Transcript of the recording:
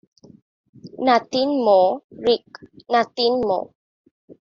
Nothing more, Rick; nothing more.